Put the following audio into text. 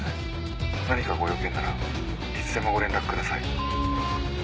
何かご用件ならいつでもご連絡ください。